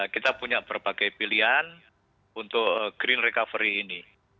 kita punya berbagai pilihan untuk green recovery ini